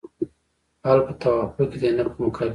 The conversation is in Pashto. حل په توافق کې دی نه په مقابله.